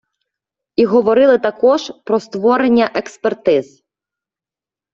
І говорили також про створення експертиз.